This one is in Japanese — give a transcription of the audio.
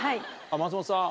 松本さん？